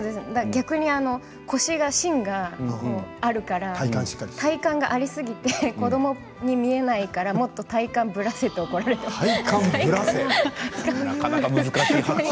逆に腰が芯があるから体幹がありすぎて子どもに見えないからもっと体幹をぶらせと怒られてました。